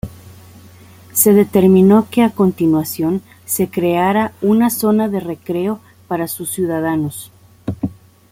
Se determinó que a continuación, se creara una zona de recreo para sus ciudadanos.